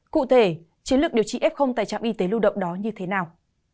cụ thể chiến lược điều trị f tại trạm y tế lưu động đó như thế nào